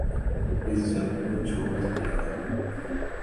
اس جنگ میں جھونک دیا۔